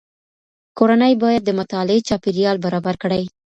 کورنۍ باید د مطالعې چاپیریال برابر کړي.